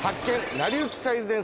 なりゆき最前線」